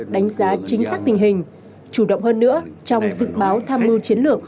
đánh giá chính xác tình hình chủ động hơn nữa trong dự báo tham mưu chiến lược